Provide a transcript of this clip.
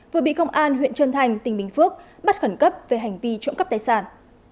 vừa bị công an huyện trân thành tỉnh bình phước bắt khẩn cấp về hành vi trộm cắp tài sản